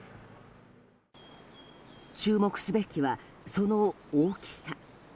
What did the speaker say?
注目すべきは、その大きさ。